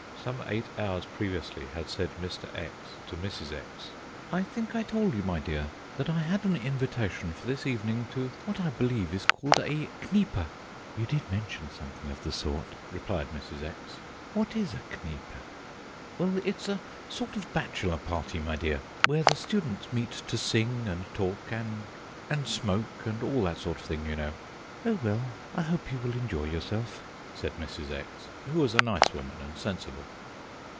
Some eight hours previously had said Mr. X. to Mrs. X.: "I think I told you, my dear, that I had an invitation for this evening to what, I believe, is called a Kneipe?" "You did mention something of the sort," replied Mrs. X. "What is a Kneipe?" "Well, it's a sort of bachelor party, my dear, where the students meet to sing and talk and and smoke, and all that sort of thing, you know." "Oh, well, I hope you will enjoy yourself!" said Mrs. X., who was a nice woman and sensible.